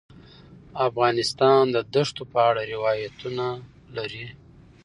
افغانستان د دښتو په اړه روایتونه لري.